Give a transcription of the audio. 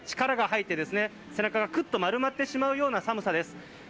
力が入って背中がくゅと丸まってしまうような寒さです。